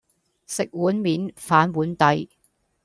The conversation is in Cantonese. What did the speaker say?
食碗面反碗底